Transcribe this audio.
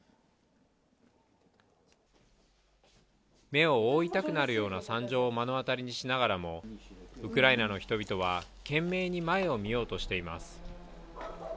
目を覆いたくなるような惨状を目の当たりにしながらも、ウクライナの人々は懸命に前を見ようとしています。